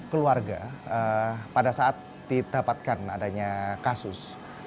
keluarga pada saat didapatkan adanya kasus